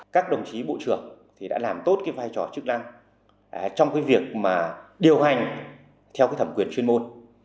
các đồng chí bộ trưởng thì đã làm tốt cái vai trò chức năng trong cái việc mà điều hành theo cái thẩm quyền chuyên môn